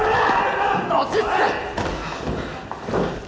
落ち着け！